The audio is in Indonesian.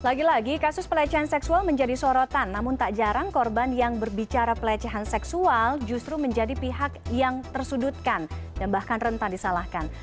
lagi lagi kasus pelecehan seksual menjadi sorotan namun tak jarang korban yang berbicara pelecehan seksual justru menjadi pihak yang tersudutkan dan bahkan rentan disalahkan